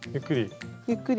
ゆっくり。